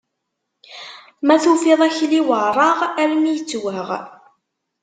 Ma tufiḍ akli werreɣ, armi ittwaɣ.